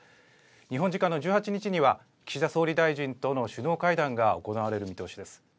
日本時間の１８日には、岸田総理大臣との首脳会談が行われる見通しです。